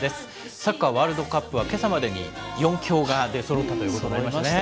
サッカーワールドカップは、けさまでに４強が出そろったということでございまして。